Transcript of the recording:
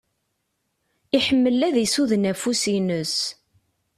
Iḥemmel ad isuden afus-ines.